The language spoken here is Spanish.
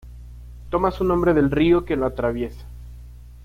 Toma su nombre del río que lo atraviesa.